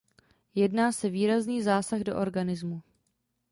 Jedná se výrazný zásah do organismu.